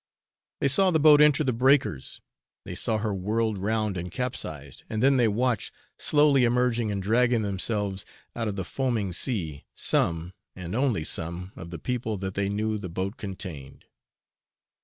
They saw the boat enter the breakers they saw her whirled round and capsized, and then they watched, slowly emerging and dragging themselves out of the foaming sea, some, and only some, of the people that they knew the boat contained.